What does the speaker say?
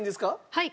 はい。